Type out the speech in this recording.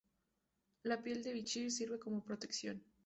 La piel del bichir sirve como protección.